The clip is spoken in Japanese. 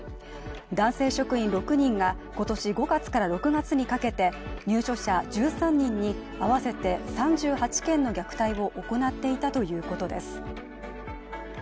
男性職員６人が今年５月から６月にかけて入所者１３人に合わせて３８件の虐待を行っていたということです。